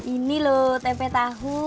ini loh tempe tahu